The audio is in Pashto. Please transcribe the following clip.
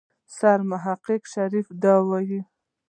سرمحقق شريف دا وويل.